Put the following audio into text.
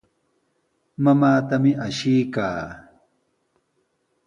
Mamaatami ashiykaa.